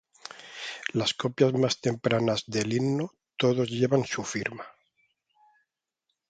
Las copias más tempranas del himno todos llevan su firma.